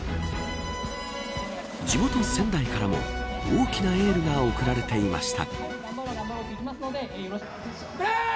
地元、仙台からも大きなエールが送られていました。